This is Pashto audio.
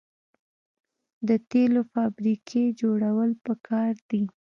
د تیلو فابریکې جوړول پکار دي.